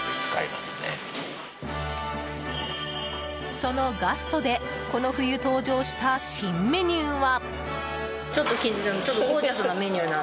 そのガストでこの冬、登場した新メニューは。